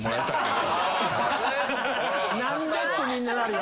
何で？ってみんななるよ。